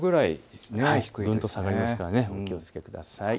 ぐんと下がりますからお気をつけください。